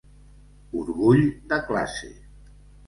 Orgull de classe.